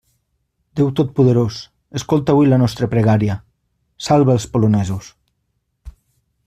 Déu totpoderós, escolta avui la nostra pregària; salva els polonesos.